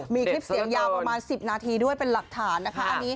มีคลิปเสียงยาวประมาณ๑๐นาทีด้วยเป็นหลักฐานนะคะ